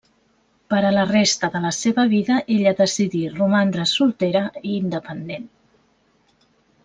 Per a la resta de la seva vida ella decidí romandre soltera i independent.